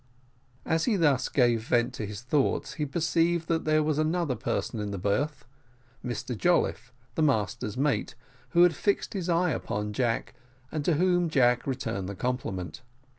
As he thus gave vent to his thoughts, he perceived that there was another person in the berth Mr Jolliffe, the master's mate, who had fixed his eye upon Jack, and to whom Jack returned the compliment.